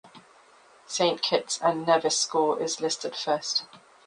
Saint Kitts and Nevis' score is listed first.